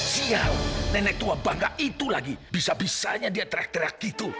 sial nenek tua bangga itu lagi bisa bisanya dia terak terak gitu